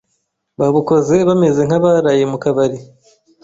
babukoze bameze nk’abaraye mu kabari